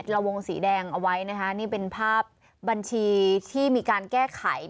ละวงสีแดงเอาไว้นะคะนี่เป็นภาพบัญชีที่มีการแก้ไข